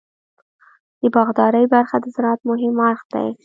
د باغدارۍ برخه د زراعت مهم اړخ دی.